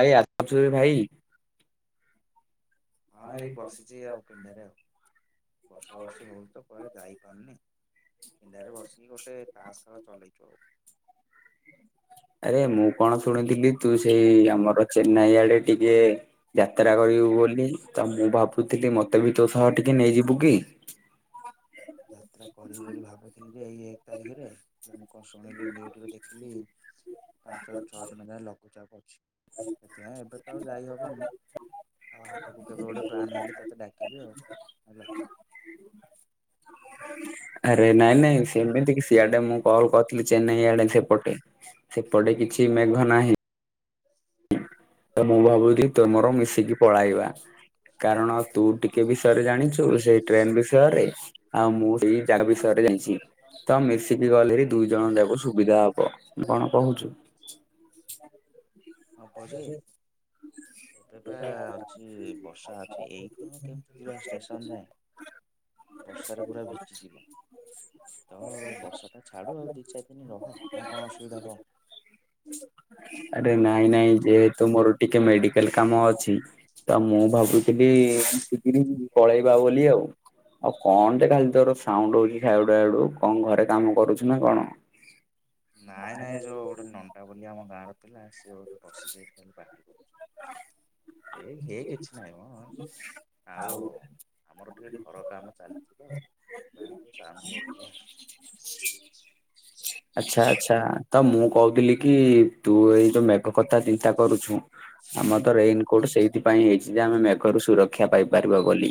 ଆଇଆ [unintelligible] ଭାଇ। ହଁ ଏଇ ବସିଚି ଆଉ ପିଣ୍ଡାରେ ଆଉ ବର୍ଷା ବର୍ଷି ହଉଚିତ କୁଆଡେ ଯାଇପାରୁନି। ପଣ୍ଡାରେ ବସିକି ଗୋଟେ ତାସ୍ ଖେଳ ଚଲେଇଚୁ ଆଉ। ଆରେ ମୁଁ। କଣ ଶୁଣିଥିଲି ତୁସେଇ ଆମର ଚେନ୍ନାଇଆଡେ ଟିକେ ଯାତ୍ରା କରିବୁ ବୋଲି। ତ ମୁଁ ଭାବୁଥିଲି ମତେବି ତୋ ସହ ଟିକେ ନେଇଯିବୁକି। ଯାତ୍ରା କରିବି ବୋଲି ଭାବୁଥିଲିଯେ ଏଇ ଏକ ତାରିଖରେ। କଣ ଶୁଣିଲି ନିୟୁଜରେ ଦେଖିଲି ପାଞ୍ଚରୁ ଛଅ ଦିନଯାଏ ଲଘୁଚାପ ଅଛି। ସେଥିପାଇଁ ଏବେ ତ ଆଉ ଯାଇ ହବନି [unintelligible] ଆଉ ଆଗକୁ କେବେ ଗୋଟେ ପ୍ଲାନହେଲେ ତତେ ଡାକିବି ଆଉ ହେଲା। ଆରେ ନାଇଁ ନାଇଁ ସେମତିକି ଶିଆଡେ ମୁଁ କଲ କରିଥିଲି ଚେନ୍ନାଇଆଡେ ସେପଟେ ସେପଟେ କିଛି ମେଘ ନାହିଁ। ତ ମୁଁ ଭାବୁଚି ତମର ମିଶିକି ପଳାଇବା। କାରଣ ତୁଟିକେ ବିଷୟରେ ଜାଣିଚୁ ସେଇ ଟ୍ରେନ ବିଷୟରେ ଆଉ ମୁଁ ସେଇ ଜାଗା ବିଷୟରେ ଯାଣିଛି। ତ ମିଶିକି ଗଲେବି ଦୁଇ ଜଣଯାକ ସୁବିଧା ହବ କଣ କହୁଚୁ? ହବଯେ ଏବେ ବା ଅଛି ବର୍ଷାଅଛି ଏଇଖୁଣି କେମତି ଯିବା ଷ୍ଟେସନ ଯାଏଁ। ବର୍ଷାରେ ପୁରା ଭିଜିିଯିବ। ତ ବର୍ଷାଟା ଛାଡୁ ଆଉ ଦି ଚାରି ଦିନରହ ନା କଣ ଅସୁବିଧା କଣ? ଆରେ ନାଇଁ ନାଇଁ ଯେହେତୁ ମୋରଟିକେ ମେଡିକାଲ କାମଅଛି। ତ ମୁଁ ଭାବୁଥିଲି [unintelligible] ପଳେଇବା ବୋଲି ଆଉ ଆଉ କଣଟେ ଖାଲି ତୋର ସାଉଣ୍ଡ ହଉଚି ଧାଡୁ ଧାଡୁ କଣ ଘରେ କାମ କରୁଛୁ ନା କଣ? ନାଇଁ ନାଇଁ ଯୋଉ ଗୋଟେ ନଣ୍ଡା ବୋଲି ଆମ ଗାଁର ପିଲା ସିଏ ଭୋଉତ ବସିକି ଖାଲି ପାଟି କରୁଚି। ଏ ହେ କିଛି ନାଇଁମ। ଆଉ ଆମର ଟିକେ ଘରକାମ ଚାଲିଚିତ ଯାହେଲେ ଟିକିଏ ସାଉଣ୍ଡୁ ହଉଥିବ। ଆଚ୍ଛା ଆଚ୍ଛା ତ ମୁଁ କହୁଥିଲିକି ତୁ ଏଇ ଯୋଉ ମେଘ କଥା ଚିନ୍ତା କରୁଛୁ ଆମରତ ରେନିକୋଟ ସେଇଥିପାଇଁ ହେଇଚିଯେ ଆମେ ମେଘରୁ ସୁରକ୍ଷା ପାଇପାରିବା ବୋଲି।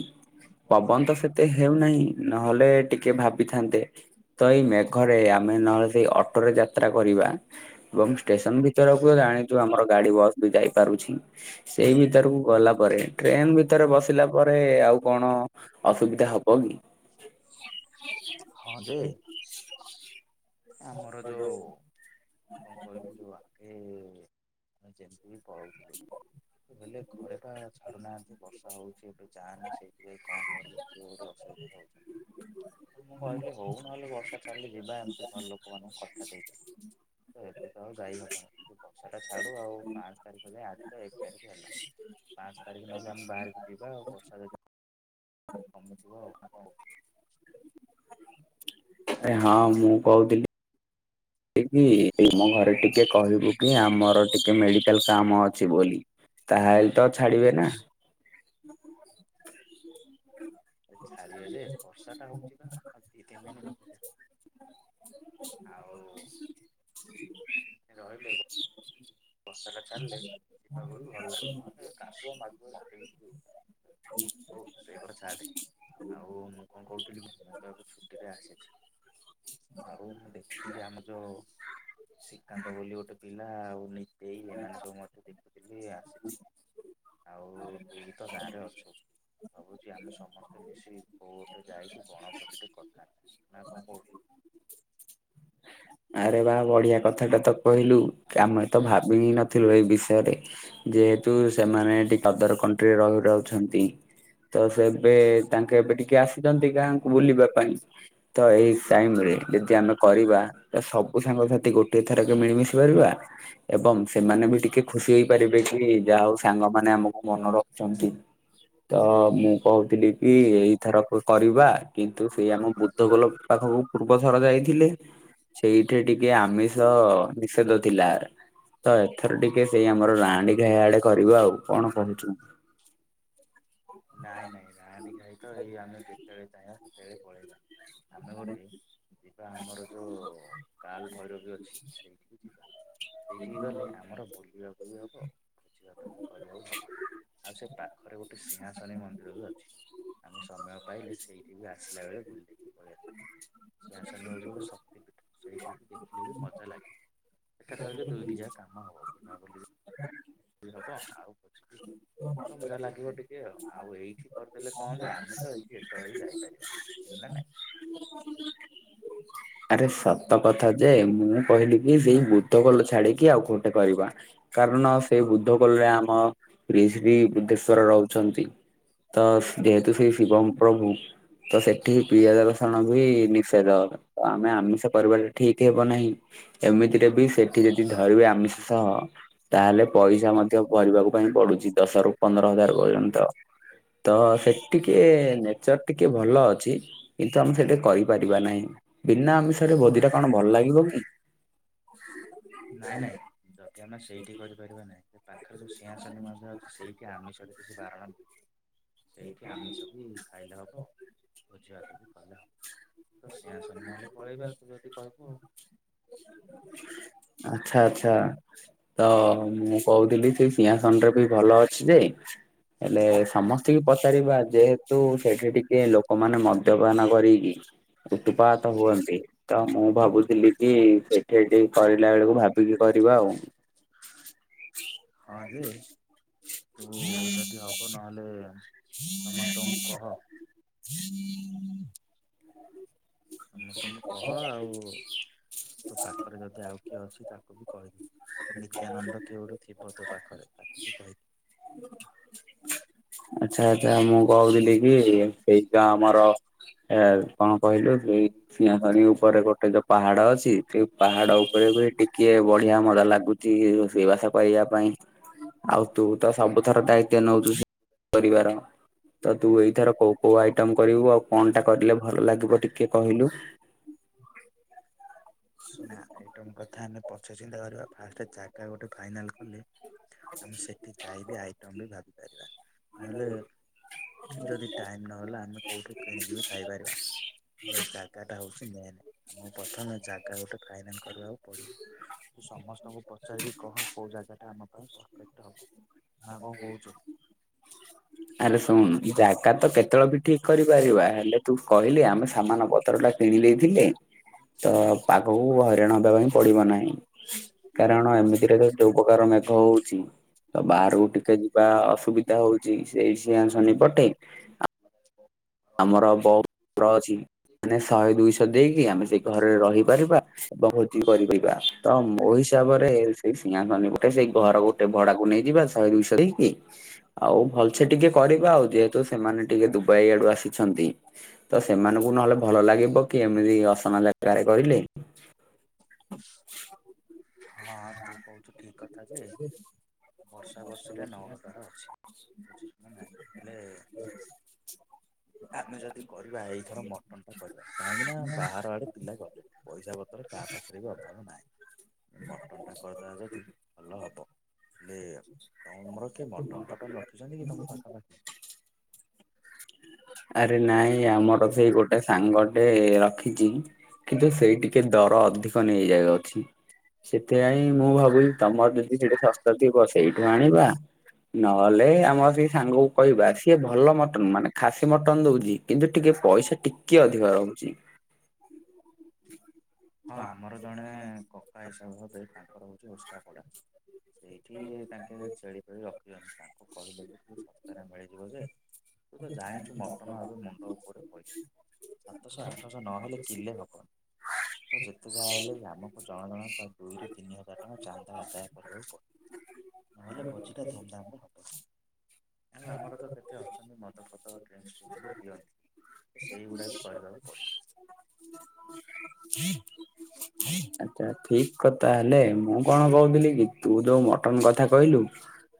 ପବନତ ସେତେ ହେଉନାହିଁ ନହେଲେ ଟିକେ ଭାବିଥାନ୍ତେ ତ ଏଇ ମେ ଘରେ ଆମେ ନହେଲେ ସେଇ ଅଟୋରେ ଯାତ୍ରା କରିବା। ଏବଂ ଷ୍ଟେସନ ଭିତରକୁ ଜାଣିଚୁ ଆମର ଗାଡି ବସବି ଯାଇପାରୁଛି। ସେଇ ଭିତରକୁ ଗଲାପରେ ଟ୍ରେନ ଭିତରେ ବସିଲା ପରେ ଆଉ କଣ ଅସୁବିଧା ହବକି? ହଁଯେ ଆମର ଯୋଉ ଆରେ କଣ କହିଲୁ ଯୋଉ ଆଗେ ଯେମିତିବି ପଳଉଥିଲେ। ହେଲେ ଘରେପା ଛାଡୁନାହାନ୍ତି ବର୍ଷା ହଉଛି ଏବେ ଯାଆନି ସେଇଥିପାଇଁ କଣ କରିବି? ମୋର ଅସୁବିଧା ହଉଚି। ମୁଁ କହିଲି ହଉ ନହେଲେ ବର୍ଷା ଛାଡିଲଲେ ଯିବା ଏମିତି ଘର ଲୋକମାନଙ୍କୁ କଥା ଦେଇକି ତ ଏବେତ ଆଉ ଯାଇହବନି ଟିକେ ବର୍ଷଟା ଛାଡୁ ଆଉ ପାଞ୍ଚ ତାରିଖ ହେଲେ ଆଜିତ ଏକ ତାରିଖ ହେଲା ପାଞ୍ଚ ତାରିଖ ନହେଲେ ଆମେ ବାହାରିକି ଯିବା ଆଉ ବର୍ଷା ଯଦି କମିଥିବ ନା କଣ କହୁଛୁ? ଏଁ ହଁ ମୁଁ କହୁଥିଲି। ଟିକି ଏଇ ମୋ ଘରେ ଟିକେ କହିବୁକି ଆମର ଟିକେ ମେଡିକାଲ କାମ ଅଛି ବୋଲି। ତାହେଲେ ତ ଛାଡିବେ ନା। ଛାଡିବେ ଯେ ବର୍ଷା ଟା ହଉଛି ବା ଆଉ ଦି ତିନି ଦିନ ରହିଯା। ଆଉ ରହିଲେ ଏ ବର୍ଷାଟା ଛାଡ଼ିଲେ ଯିବା ବଲେ ଭଲ ଲାଗ କାଦୁଅ ମଦୁଆ। [unintelligible] ହଉ ସେଇ କଥା ଛାଡେ ଆଉ ମୁଁ କଣ କହୁଥିଲି ମୁଁ ତ ଏବେ ଛୁଟିରେ ଆସିଛି। ଆଉ ମୁଁ ଦେଖୁଥିଲି ଆମ ଯୋଉ ଶ୍ରୀକାନ୍ତ ବୋଲି ଗୋଟେ ପିଲା ଆଉ ନି ଦେଇ ଏମାନେ ସବୁ ମତେ ଦେଖୁଥିଲି ଆସିଛି। ଆଉ ତୁ ବି ତ ଗାଁରେ ଅଛୁ। ଭାବୁଛି ଆମେ ସମସ୍ତେ ମିଶି କୋଉ ଗୋଟେ ଯାଇକି ବଣଭୋଜି ଟେ କଥା ନା କଣ କହୁଛୁ? ଆରେ ବା ବଢିଆ କଥାଟା ତ କହିଲୁ ଆମେ ତ ଭାବି ହି ନଥିଲୁ ଏଇ ବିଷୟରେ। ଯେହେତୁ ସେମାନେ ଟିକେ ଅଦର କଣ୍ଟ୍ରିରେ ରହି ରାଉଛନ୍ତି ତ ସେ ଏବେ ତାଙ୍କେ ଏବେ ଟିକେ ଆସ ଚନ୍ତି ଗାଁକୁ ବୁଲିବା ପାଇଁ ତ ଏଇ ସାଇମ ରେ ଯଦି ଆମେ କରିବା ସବୁ ସାଙ୍ଗସାଥି ଗୋଟଏ ଥରକେ ମିଳିମିଶି ପାରିବା। ଏବଂ ସେମାନେ ବି ଟିକେ ଖୁସି ହେଇପାରିବେ କି ଯାହା ହଉ ସାଙ୍ଗମାନେ ଆମକୁ ମନ ରଖିଛନ୍ତି। ତ ମୁଁ କହୁଛୁ କହୁଥିଲି କି ଏଇ ଥର ବି କରିବା କିନ୍ତୁ ସେ ଆମ ବୁଦ୍ଧ ଗୋଲକ ପାଖକୁ ପୂର୍ବ ଥର ଯାଇଥିଲେ ସେଇଠି ଟିକେ ଆମିଷ ନିଷେଧ ଥିଲା। ତ ଏଥର ଟିକେ ସେଇ ଆମର ରାଣୀ ଘାଇ ଆଡେ କରିବୁ ଆଉ କଣ କହୁଛୁ? ନାଇଁ ନାଇଁ ନାଁ ଦେ ଖାଇ ତ ଏଇ ଆମେ ଯେତେବେଳେ ଚାହିବା ସେତେବେଳେ ପଳେଇବା ଆମେ ଗୋଟେ ଯିବା ଆମର ଯୋଉ କାଲ ଭୈରବୀ ଅଛି ସେଇ ସେଇଠିକି ଗଲେ ଆମର ବୁଲିବାକୁ ବୁଲିହବ ଭୋଜି ଭାତ କରିବାକୁ ହବ ଆଉ ସେ ପାଖରେ ଗୋଟେ ନିହାସନୀ ମନ୍ଦିର ବି ଅଛି ଆମେ ସମୟ ପାଇଲେ ସେଇଠି ବି ଆସିଲା ବେଳେ ବୁଲିକି ପଳେଇଆସିବା। ସିଆସନି ଗୋଟେ ଶକ୍ତିପୀଠ ସେଇଠି ଦେଖିଲେ ବି ମଜା ଲାଗେ ଏକାଥରକେ ଦୁଇଟି ଯା କାମ ହବ ତାବୋଲିକି ହବ ଆଉଛି ତ ମଜା ଲାଗିବ ଟିକେ ଆଉ ଏଇଠି କରିଦେଲେ କହ ଯେ ଆମେ ତ ହେଇଛି ଏତେବେ ବି ଯାଇପାରିବା ସେକଥା ନାଇଁ ଆରେ ସତ କଥା ଯେ ମୁଁ କହିଲି କି ସେଇ ବୁଦ୍ଧ ଗୋଲ ଛାଡିକି ଆଉ କୋଉଠି କରିବା। କାରଣ ସେ ବୁଦ୍ଧ କୋଲରେ ଆମ ଶ୍ରୀ ଶ୍ରୀ ବୁଦ୍ଧେଶ୍ଵର ରହୁଛନ୍ତି। ତ ଯେହେତୁ ସେ ଶିବମ ପ୍ରଭୁ। ତ ସେଠି ପିଆଜ ରସଣ ବି ନିଷେଧ। ତ ଆମେ ଆମିଷ କରିବାଟା ଠିକ ହବ ନାହିଁ। ଏମିତିରେ ବି ସେଠି ଯଦି ଧରିବେ ଆମିଷ ସହ ତାହେଲେ ପଇସା ମଧ୍ୟ ଭରିବାକୁ ପାଇଁ ପଡୁଛି ଦଶ ରୁ ପନ୍ଦର ହଜାର ପର୍ଯ୍ୟନ୍ତ। ତ ସେଠି ଟିକେ ନେଚର ଟିକେ ଭଲ ଅଛି। କିନ୍ତୁ ଆମେ ସେଟି କରିପାରିବା ନାହିଁ ବିନା ଆମିଷରେ ଭୋଜି ଟା କଣ ଭଲ ଲାଗିବ କି। ନାଇଁ ନାଇଁ। ଯଦି ଆମେ ସେଇଠି କରିପାରିବା ନାହିଁ ଯେ ପାଖରେ ଯୋଉ ସିଂହସନ ମଧ୍ୟ ଅଛି ସେଇଠି ଆମିଷରେ କିଛି ବାରଣ ସେଇଠି ଆମିଷ ବି ଖାଇଲେ ହବ ଭୋଜିଭାତ ବି କଲେ ହବ। ତ ସେଆ ସନ୍ ନହେଲେ ପଳେବା ତୁ ଯଦି କହିବୁ ଆଉ। ଆଛା ଆଛା। ତ ମୁଁ କହୁଥିଲି ସେ ସିଂହାସନରେ ବି ଭଲ ଅଛି ଯେ ହେଲେ ସମସ୍ତିଙ୍କି ପଚାରିବା ଯେହେତୁ ସେଠି ଟିକିଏ ଲୋକମାନେ ମଦ୍ୟପାନ କରିକି ଉତୁପାତ ହୁଅନ୍ତି। ତ ମୁଁ ଭାବୁଥିଲି କି ସେଠେ ଟିକ୍ କରିଲା ବେଳକୁ ଭାବିକି କରିବା ଆଉ। ହଁ ଯେ ହୋଉ ଯଦି ହବ ନହେଲେ ସମସ୍ତଙ୍କୁ କହ [inaudible] ମୁଁ ତମକୁ କହ ଆଉ ତୋ ପାଖରେ ଯଦି ଆଉ କିଏ ଅଛି ତାକୁ ବି କହିବୁ। ନିତ୍ୟାନନ୍ଦ କିଏଗୋଟେ ଥିବତୋ ପାଖରେ ତାକୁବି କହିବୁ। ଆଚ୍ଛା ଆଛା ମୁଁ କହୁଥିଲି କି ସେଇ ଗାଁ ଆମର ଏ କଣ କହିଲୁ ସେଇ ସିଂହ ପାଣି ଉପରେ ଗୋଟେ ଯୋଉ ପାହାଡ ଅଛି ସେ ପାହାଡ ଉପରେ ବି ଟିକିଏ ବଢିଆ ମଜା ଲାଗୁ କିରୋଷେଇବାସ କରିବା ପାଇଁ ଆଉ ତୁ ତ ସବୁଥର ଦାୟିତ୍ଵ ନେଉଛୁ ସେ ପରିିବାର। ତ ତୁ ଏଇଥର କୋଉ କୋଉ ଆଇଟମ କରିବୁ? ଆଉ କଣଟା କରିଲେ ଭଲ ଲାଗିବ ଟିକିଏ କହିଲୁ? ଶୁଣା ଆଇଟମ କଥା ଆମେ ପଛେ ଚିନ୍ତା କରିବା। ଫାଷ୍ଟେ ଜାଗା ଗୋଟେ ଫାଇନାଲ କଲେ ଆମେ ସେଠି ଯାଇବି ଆଇଟମ ବି ଭାବି ପାରିବା। ନହେଲେ ଯଦି ଟାଇମ୍ ନହେଲା ଆମେ କୋଉଠୁ କିଣିକି ବି ଖାଇପାରିବା। ହେଲେ ଜାଗାଟା ହୋଉଚି ମେନ୍। ଆମକୁ ପ୍ରଥମେ ଜାଗା ଗୋଟେ ଫାଇନାଲ କରିବାକୁ ପଡିବ। ତୁ ସମସ୍ତଙ୍କୁ ପଚାରିବି କହ କୋଉ ଜାଗା ଟା ଆମ ପାଇଁ ପରଫେକ୍ଟ ହବ। ଆ ନା କଣ କହୁଛୁ? [inaudible] ଆରେ ଶୁଣ ଜାଗା ତ କେତେବେଳେ ବି ଠିକ କରିପାରିବା। ହେଲେ ତୁ କହିଲି ଆମେ ସାମାନ ପତରଟା କିଣି ଦେଇଥିଲେ ତ ପାଗକୁ ହଇରାଣ ହେବା ପାଇଁ ପଡିବ ନାହିଁ। କାରଣ ଏମିତିରେ ତ ଯୋଉ ପ୍ରକାର ମେଘ ହୋଉଚି। ତ ବାହାରକୁ ଟିକିଏ ଯିବା ଅସୁବିଧା ହୋଉଚି ସେଇ ସିଂହା ଶନି ପଟେ। ତମେ ଯିବ? ଆମର ବୋଉ। ରଅଛି। ମାନେ ଶହେ ଦୁଇଶହ ଦେଇକି ଆମେ ସେଇ ଘରରେ ରହିପାରିବା। ଏବଂ ଭୋଜି କରିପାରିବା ତ ମୋ ହିସାବରେ ସେଇ ସିଂହାସନବ ସେଇ ଘର ଗୋଟେ ଭଡାକୁ ନେଇଯିବା ଶହେ ଦୁଇଶହ ଦେଇକି। ଆଉ ଭଲସେ୍ ଟିକିଏ କରିବା। ଆଉ ଯେହେତୁ ସେମାନେ ଟିକିଏ ଦୁବାଇ ଆଡୁ ଆସିଛନ୍ତି। ତ ସେମାନଙ୍କୁ ନହେଲେ ଭଲ ଲାଗିବ କି ଏମିତି ଅସମାନଟା ରେ କରିଲେ। ହଁ ହଁ ତୁ କହୁଚୁ ଠିକ୍ କଥା ଯେ ବର୍ଷା ବର୍ଷିଟା ନ ହବାର ଅଛି ବୁଝିଲୁ ନା ନାଇଁ ହେଲେ ଆମେ ଯଦି କରିବା ଏଇଥର ମଟନ ଟା କରିବା। କାହିଁକି ନା ବାହାର ଆଡୁ ପିଲା କରୁଚନ୍ତି। ପଇସା ପତ୍ର କାହା ପାଖରେ ବି ଅଭାବ ନାହିଁ। ମଟନ୍ ଟା କରିଦେବା ଯଦି ଭଲ ହବ। ହେଏଅର ତମର କିଏ ମଟନ ଫଟନ ରଖିଚନ୍ତି କି ତମ ପାଖାପାଖି? ଆରେ ନାଇଁ ଆମର ସେଇ ଗୋଟେ ସାଙ୍ଗ ଟେ ର ଖିଚି। କିନ୍ତୁ ସେ ଟିକିଏ ଦର ଅଧିକ ନେଇଯାଉଏ ଅଛି। ସେଥିପାଇଁ ମୁଁ ଭାବୁଚି ତମର ଯଦି ସେଟି ଶସ୍ତା ଥିବ ସେଇଠୁ ଆଣିବା? ନହେଲେ ଆମର ସେଇ ସାଙ୍ଗକୁ କହିବା ସିଏ ଭଲ ମଟନ ମାନେ ଖାସ୍ ମଟନ ଦୋଉଚି। କିନ୍ତୁ ଟିକିଏ ପଇସା ଟିକେ ଅଧିକା ରହୁଚି। ହଁ ଆମର ଜଣେ କକା ହିସାବ ହବେ ତାଙ୍କର ହୋଉଚି ଓଷ୍ତାପଡା। ସେଇଠି ତାଙ୍କେ ଛେଳି ଫେଳି ରଖୁଚନ୍ତି। ତାଙ୍କୁ କହିଲେ ଯେ ଶସ୍ତାରେ ମିଳିଯିବ ଯେ- ତୁ ତ ଜାଣିଛୁ ମଟନ ଏବେ ମୁଣ୍ଡ ଉପରେ ପଇସା ସାତଶ ଆଠଶହ ନହେଲେ କିଲେ ହବ। ତ ଯେତେ ଯାହା ହେଲେ ବି ଆମକୁ ଜଣ ଜଣାକା ଦୁଇରୁ ତିନି ହଜାର ଟଙ୍କା ଚାନ୍ଦା ଆଦାୟ କରିବାକୁ ପ ନହେଲେ ଭୋଜିଟା ଧୁମ୍ ଧାମ ରେ ହବ। ଆଉ ଆମର ତ କେତେ ଅ ଛନ୍ତି ମଦ ଫଦ ଡ୍ରିଙ୍କସ୍ ବି ପିଅନ୍ତି ଏ ସେଇଗୁଡ଼ା ବି କରିବାକୁ ପଡ଼ିବ। ହ ହ [unintelligible] ହୁଁ [unintelligible] ଏ ଠିକ୍ କଥା ହେଲେ ମୁଁ କଣ କହୁଥିଲି କି ତୁ ଯୋଉ ମଟନ କଥା କହିଲୁ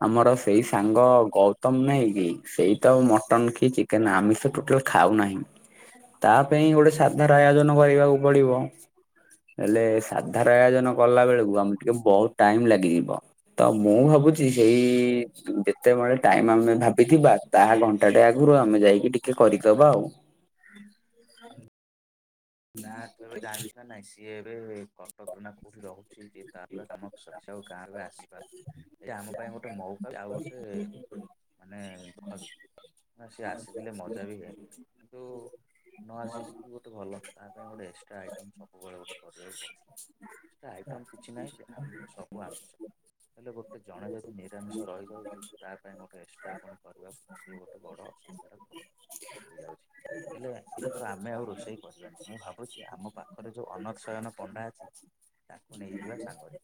ଆମର ସେଇ ସାଙ୍ଗ ଗୌ ତମ ନାହି କି ସେଇ ତ ଆଉ ମଟନ କି ଚିକେନ ଆମିଷ ଟୋଟାଲ ଖାଉ ନାହିଁ। ତା ପାଇଁ ଗୋଟେ ସାଧାର ଆୟୋଜନ କରିବାକୁ ପଡିବ ହେଲେ ସାଧାର ଆୟୋଜନ କଲା ବେଳକୁ ଆମୁକୁ ଟିକେ ବହୁତ ଟାଇମ ଲାଗିଯିବ ତ ମୁଁ ଭାବୁଚି ସେ ସେଇ ଯେତେବେଳେ ଟାଇମ ଆମେ ଭାବିଥିବା ତାହା ଘଣ୍ଟାଟେ ଆଗୁରୁ ଆମେ ଯାଇକି ଟି କେ କରିଦବା ଆଉ। ହୁଁ। ନା ତୁ ଏବେ ଜାଣିଚୁ ନା ନାଇଁ ସିଏ ଏବେ କଟକରେ ନା କୋଉଠି ରହୁଛି ଯିଏ ତାପରେ ଆଉ କାମ ସରଚି ଆଉ ଗାଁ ରୁ ବି ଆସିପାରୁନି। ଏ ଆମ ପାଇଁ ଗୋଟେ ମଉକା ବି ଆଉ ଗୋଟେ ମାନେ ଦୁଃଖ ଅଛି। ହଁ ସିଏ ଆସିଥିଲେ ମଜା ବି ହୁଏ। ନ ଆସିବ ଯଦି ଗୋଟେ ଭଲ ତା ପାଇଁ ଗୋଟେ ଏକ୍ସଟ୍ରା ଆଇଟମ୍ ସବୁବେଳେ ଗୋଟେ କରିବାକୁ ପଡୁଛି। ଆ ଆଇଟମ କିଛି ନାହିଁ ଯେ ଆମେ ସବୁ ଆମିଷ। ହେଲେ ଗୋଟେ ଜଣେ ଯଦି ନିରାମିଷ ରହିଯାଉଚି ତା ପାଇଁ ଗୋଟେ ଏକ୍ସଟ୍ରା କଣ କରିବାକୁ ସେ ଗୋଟେ ବଡ ଅସୁବିଧାରେ ପଡିଯାଉଛି ହେଲେ ଏଥର ଆମେ ଆଉ ରୋଷେଇ କରିବାନି। ମୁଁ ଭାବୁଛି ଆମ ପାଖରେ ଯୋଉ ଅନତ୍ ସୟନ ପଣ୍ଡା ଅଛି ତାକୁ ନେଇଯିବା ସାଙ୍ଗରେ।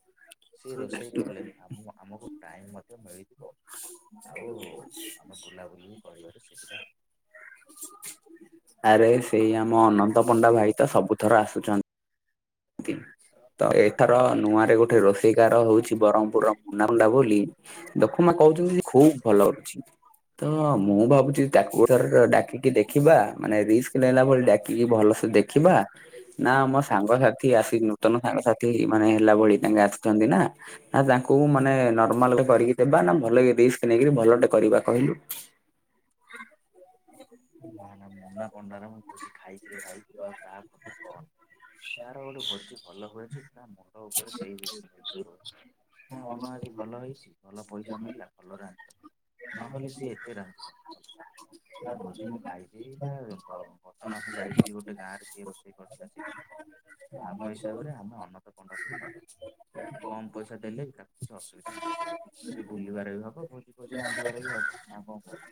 ସିଏ ରୋଷେଇ କଲେ ଆମ ଆମକୁ ଟାଇମ ମଧ୍ୟ ମିଳିଯିବ। ଆଉ ଆମେ ବୁଲାବୁଲି କରିବାରେ ସୁବିଧା। ଆରେ ସେଇ ଆମ ଅନନ୍ତ ପଣ୍ଡା ଭାଇ ତ ସବୁ ଥର ଆସୁଚନ୍। ତି ତ ଏଥର ନୂଆରେ ଗୋଟେ ରୋଷେଇକାର ହଉଛି ବରହମପୁରର ମୁନା ମୁଣ୍ଡା ବୋଲି। ନା ଦେଖୁନ କହୁଚନ୍ତି ଯେ ଖୁବ ଭଲ ହଉଛି। ତ ମୁଁ ଭାବୁଛି ତାକୁ ଏଥର ଡାକିକି ଦେଖିବା ମାନେ ରିସ୍କ ନେଲା ଭଳି ଡାକିକି ଭଲସେ ଦେ ଖିବା ନା ଆମ ସାଙ୍ଗ ସାଥି ଆସି ନୂତନ ସାଙ୍ଗ ସାଥି ମାନେ ହେଲା ଭଳି ତାଙ୍କେ ଆସୁଚନ୍ତି ନା ଆଉ ତାଙ୍କୁ ମୁଁ ମ ନେ ନର୍ମାଲ ଗୋଟେ କରିକି ଦେବା ନା ଭଲକି ରିସ୍କ ନେଇ କିରି ଭଲଟେ କରିବା କହିଲୁ। ନା ନା ମୁନା ପଣ୍ଡାର ମୁଁ ଭୋଜି ଖାଇଚିରେ ଭାଇ ତୁ ଆଉ ତା କଥା କହନି। ତାର ଗୋଟେ ଭୋଜି ଭଲ ହୁଏ ଯେ ତା ମ ତ ଉପରେ ସେଇ ରିସ୍କ୍ ଜିନିଷ ରହେ ତା ମନ ଆଜି ଭଲ ହେଇଛି ଭଲ ପଇସା ମିଳିଲା ଭଲ ରାନ୍ଧ୍ [unintelligible] ତା ଭୋଜି ମୁଁ ଖାଇଚି ଏଇ ବା ଗ-ଗତ ମାସ ଯାଇଥିଲି ଗୋଟେ ଗାଁ ରେ ସିଏ ରୋଷେଇ କରିଥିଲା ସେଇଠି। ତ ଆମ ହିସାବରେ ଆମେ ଅନନ୍ତ ପଣ୍ଡା କୁ ହିଁ ନବା। ତାକୁ କମ୍ ପଇସା ଦେଲେ ବି ତାକୁ କିଛି ଅସୁବିଧା ନାହିଁ। ସିଏ ବୁଲିବାରେ ବି ହବ ଭୋଜି ଫୋଜି ରାନ୍ଧିବାରେ ବି ହବ ନା କଣ କହୁଚୁ।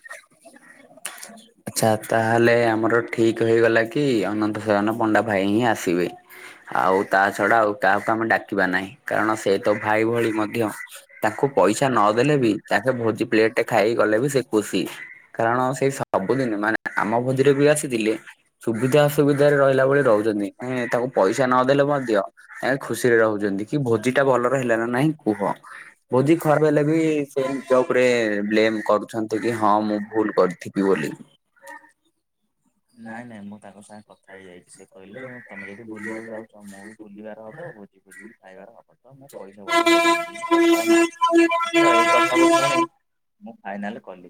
ଆଚ୍ଛା ତାହେଲେ ଆମର ଠିକ୍ ହେଇଗଲା କି ଅନନ୍ତ ସୟନ ପଣ୍ଡା ଭାଇ ହିଁ ଆସିବେ। ଆଉ ତା ଛଡା ଆଉ କାହାକୁ ଆମେ ଡାକିବା ନାହିଁ କାରଣ ସେ ତ ଭାଇ ଭଳି ମଧ୍ୟ। ତାଙ୍କୁ ପଇସା ନ ଦେଲେ ବି ତାଙ୍କେ ଭୋଜି ପ୍ଲେଟ ଟେ ଖାଇ ଗଲେ ବି ସେ ଖୁସି। କାରଣ ସେଇ ସବୁଦିନ ମାନେ ଆମ ଭୋଜିରେ ବି ଆସିଥିଲେ। ସୁବିଧା ଅସୁବିଧାରେ ରହିଲା ଭଳି ରହୁଛନ୍ତି ତାକୁ ପଇସା ନଦେଲେ ମଧ୍ୟ। ଏ ଖୁସିରେ ରହୁଛନ୍ତି କି ଭୋଜି ଟା ଭଲରେ ହେଲା ନା ନାହିଁ କୁହ। ଭୋଜି ଖରାପ ହେଲେ ବି ସେ ନିଜ ଉପରେ କହୁଛୁ? ବ୍ଲେମ କରୁଛନ୍ତି କି ହଁ ମୁଁ ଭୁଲ କରିଥିଲି। ପିବଲି। ନାଇଁ ନାଇଁ ମୁଁ ତାଙ୍କ ସାଙ୍ଗେ କଥା ହେଇଯାଇଛି ସେ। କହିଲେ ତମେ ଯଦି ବୁଲିବାକୁ ଯାଉଛ ମୁଁ ବି ବୁଲିବାର ହବ ଭୋଜି ଭୋଜିି ଖାଇବାର ହବ। ହ ମୁଁ ପଛି ବର୍ତମାନ କଥା ତ ଏଇ କଥାକୁୁ ଶୁଣ। [unintelligible] [unintelligible] ମୁଁ ଫାଇନାଲ କଲି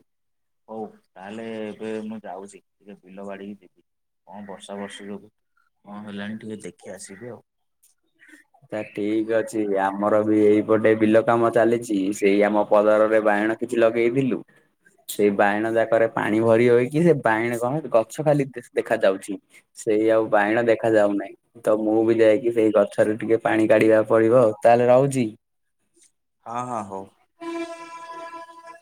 ହଉ ତାହେଲେ ଏବେ ମୁଁ ଯାଉଛି।। ବିଲ ବାଡ଼ିକି ଯିବି କଣ ବର୍ଷା ବର୍ଷ ଯୋଗୁ କଣ ହେଲାଣି ଆଚ୍ଛା ଟିକେ ଦେଖି ଆସିବେ ଆଉ। [inaudible] ସେ ଠିକ ଅଛି ଆମର ବି ଏଇପଟେ ବିଲ କାମ ଚାଲିଛି ସେଇ ଆମ ପଦରରେ ବାଇଣ। କିଛି ଲଗେଇଥିଲୁ। ସେଇ ଶ ବା ବାଇଣ ଯାକରେ [unintelligible] ପାଣି ଭରି ହଇକି ସେ ବାଇଣ କଣ ଗଛ ଖାଲି ଦେଖା ଯାଉଛି। ସେଇ ଆଉ ବାଇଣ ଦେଖା ଯାଉନାହିଁ ତ ମୁଁ ବି ଯାଇକି ସେଇ ଗଛରେ ଟିକେ। ପାଣି କାଢିବାକୁ ପଡିବ ତାହେଲେ ରହୁଛି। ହଁ ହଁ ହଉ।